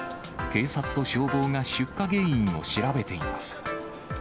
警察と消防が出火原因を調べています。